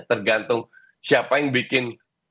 tergantung siapa yang bikin